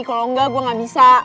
kalau enggak gue gak bisa